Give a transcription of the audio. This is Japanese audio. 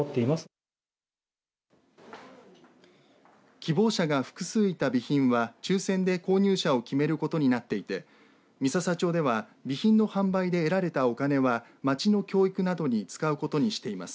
希望者が複数いた備品は抽せんで購入者を決めることになっていて三朝町では備品の販売で得られたお金は町の教育などに使うことにしています。